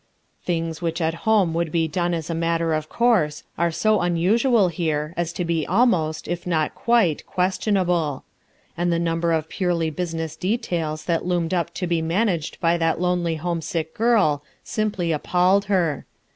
Things which at home would be done as a mat ter of course are so unusual here as to be alniost, if not quite, questionable; and the number of purely busi ness details that loomed up to be managed by that lonely homesick girl dimply appalled her.